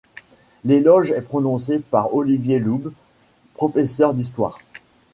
L'éloge est prononcé par Olivier Loubes, professeur d’histoire.